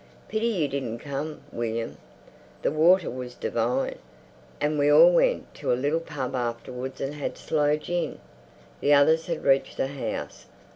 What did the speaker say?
"Pity you didn't come, William. The water was divine. And we all went to a little pub afterwards and had sloe gin." The others had reached the house.